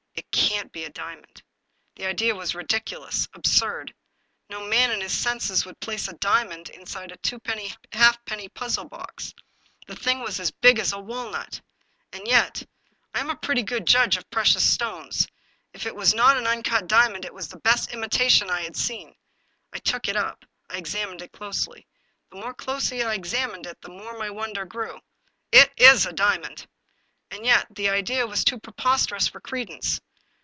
" It can't be a diamond." The idea was ridiculous, absurd. No man in his senses would place a diamond inside a twopenny halfpenny puzzle box. The thing was as big as a walnut ! And yet — I am a pretty good judge of precious stones — if it was not an uncut diamond it was the best imitation I had seen. I took it up. I examined it closely. The more closely I examined it, the more my wonder grew. " It w a diamond !" And yet the idea was too preposterous for credence.